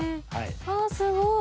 あすごい。